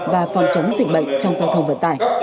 và phòng chống dịch bệnh trong giao thông vận tải